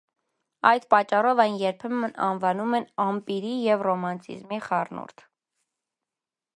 Այդ պատճառով այն երբեմն անվանում են ամպիրի և ռոմանտիզմի խառնուրդ։